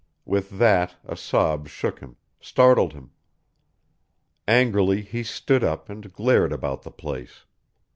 With that a sob shook him startled him. Angrily he stood up and glared about the place.